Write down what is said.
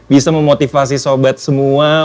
bisa memotivasi sobat semua